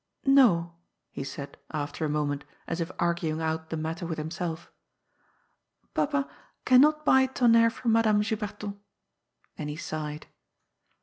^^ No," he said, after a moment, as if arguing out the matter with himself. ^* Papa can not buy Tonnerre from Madame Juberton." And he sighed.